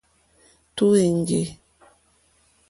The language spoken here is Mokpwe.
Tǔ èŋɡê.